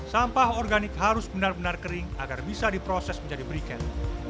sampah organik harus benar benar kering agar bisa diproses menjadi briket